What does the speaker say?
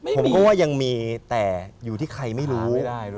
ผมก็ว่ายังมีแต่อยู่ที่ใครไม่รู้